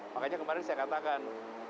makanya kemarin saya katakan